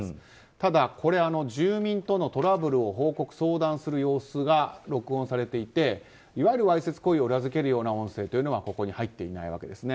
ただ、これは住民とのトラブルを報告・相談する様子が録音されていて、いわゆるわいせつ行為を裏付けるような音声というのはここに入っていないわけですね。